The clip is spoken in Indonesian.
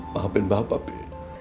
maafin bapak mi